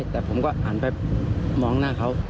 แต่ผมก็หันไปมองหน้าเขา